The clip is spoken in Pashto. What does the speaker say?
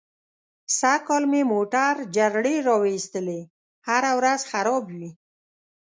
سږ کال مې موټر جرړې را و ایستلې. هره ورځ خراب وي.